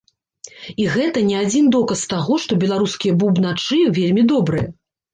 І гэта не адзін доказ таго, што беларускія бубначы вельмі добрыя.